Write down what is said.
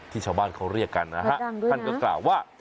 ชาวบ้านเขาเรียกกันนะฮะท่านก็กล่าวว่า